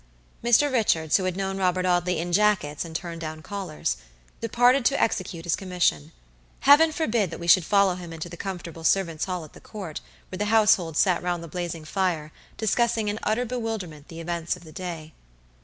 Mr. Richards, who had known Robert Audley in jackets and turn down collars, departed to execute his commission. Heaven forbid that we should follow him into the comfortable servants' hall at the Court, where the household sat round the blazing fire, discussing in utter bewilderment the events of the day.